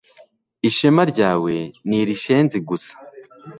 ishema ryawe ni irishenzi gusa